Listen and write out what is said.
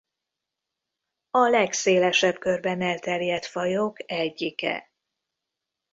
A legszélesebb körben elterjedt fajok egyike.